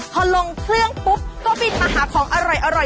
พอลงเครื่องปุ๊บก็บินมาหาของอร่อย